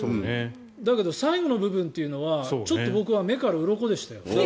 だけど最後の部分というのはちょっと僕は目からうろこでしたよ。